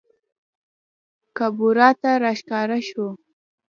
کابورا ته راښکاره سوو